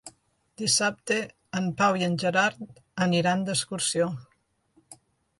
Dissabte en Pau i en Gerard aniran d'excursió.